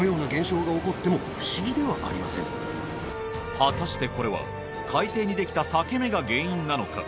果たしてこれは海底にできた裂け目が原因なのか？